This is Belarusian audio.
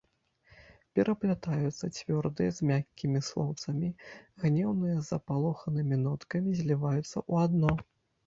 Пераплятаюцца цвёрдыя з мяккімі слоўцамі, гнеўныя з запалоханымі ноткамі зліваюцца ў адно.